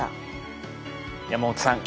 山元さん